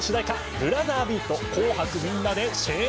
「ブラザービート紅白みんなでシェー！